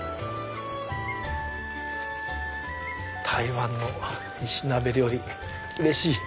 台湾の石鍋料理うれしい！